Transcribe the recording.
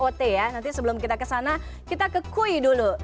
kote ya nanti sebelum kita kesana kita ke kui dulu